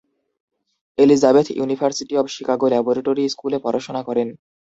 Elizabeth university of Chicago laboratory স্কুলে পড়াশোনা করেন।